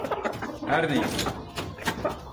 Her ne ise.